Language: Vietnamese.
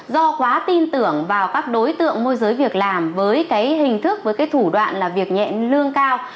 do quá tin tưởng vào các đối tượng môi giới việc làm với cái hình thức với cái thủ đoạn là việc nhẹ lương cao